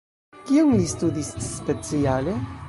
Kion li studis speciale?